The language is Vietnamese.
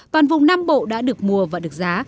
toàn vùng nam bộ đã được mùa và được giá